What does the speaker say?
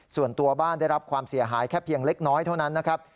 ส่วนตัวบ้านได้รับความเสียหายแค่เพียงเล็กน้อยเท่านั้นนะครับ